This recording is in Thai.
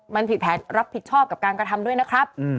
มันผิดแผนรับผิดชอบกับการกระทำด้วยนะครับ